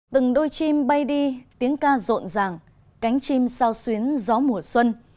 từng đôi chim bay đi tiếng ca rộn ràng cánh chim sao xuyến gió mùa xuân